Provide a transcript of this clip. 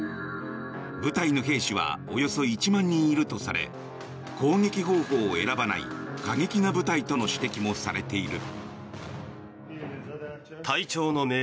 部隊の兵士はおよそ１万人いるとされ攻撃方法を選ばない過激な部隊との指摘もされている。